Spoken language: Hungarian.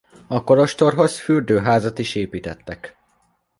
A kolostorhoz fürdőházat is építettek.